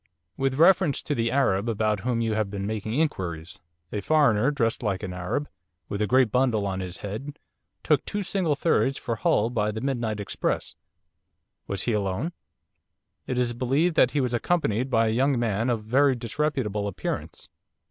'With reference to the Arab about whom you have been making inquiries. A foreigner, dressed like an Arab, with a great bundle on his head, took two single thirds for Hull by the midnight express.' 'Was he alone?' 'It is believed that he was accompanied by a young man of very disreputable appearance.